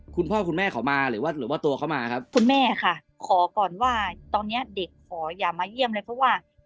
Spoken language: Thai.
คุณพ่อคุณแม่เขามาหรือว่าหรือว่าตัวเขามาครับคุณแม่ค่ะขอก่อนว่าตอนเนี้ยเด็กขออย่ามาเยี่ยมเลยเพราะว่า